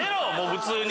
普通に。